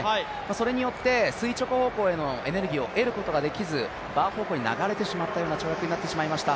それによって垂直方向へのエネルギーを得ることができずバー方向に流れてしまったような跳躍になってしまいました。